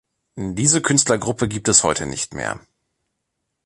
Diese Künstlergruppe gibt es heute nicht mehr.